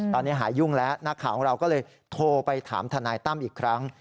ตอนนี้หายุ่งแล้วนักข่าวของเราก็เลยโทรไปถามทนายตั้มอีกครั้ง